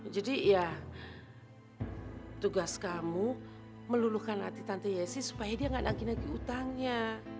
jadi ya tugas kamu meluluhkan hati tante yesi supaya dia gak nagih nagih utangnya